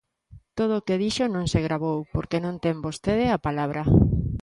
Todo o que dixo non se gravou porque non ten vostede a palabra.